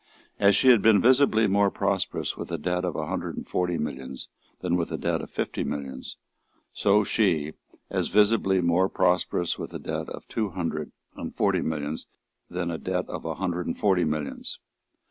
As she had been visibly more prosperous with a debt of a hundred and forty millions than with a debt of fifty millions, so she, as visibly more prosperous with a debt of two hundred and forty millions than with a debt of a hundred and forty millions.